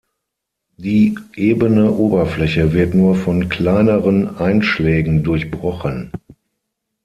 Die ebene Oberfläche wird nur von kleineren Einschlägen durchbrochen.